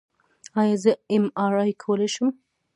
ایا زه ایم آر آی کولی شم؟